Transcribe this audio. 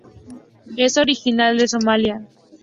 Es originaria de Somalia.